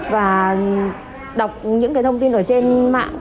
và đọc những thông tin trên mạng